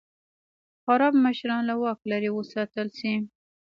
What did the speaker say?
خراب مشران له واکه لرې وساتل شي.